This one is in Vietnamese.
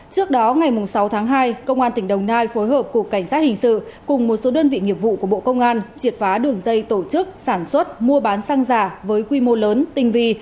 trước đó ngày sáu tháng hai công an tỉnh đồng nai phối hợp cục cảnh sát hình sự cùng một số đơn vị nghiệp vụ của bộ công an triệt phá đường dây tổ chức sản xuất mua bán xăng giả với quy mô lớn tinh vi